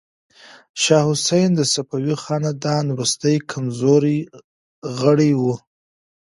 شاه حسین د صفوي خاندان وروستی کمزوری غړی و.